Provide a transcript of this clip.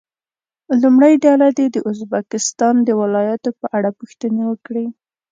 لومړۍ ډله دې د ازبکستان د ولایتونو په اړه پوښتنې وکړي.